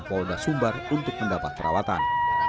polda sumbar untuk mendapat perawatan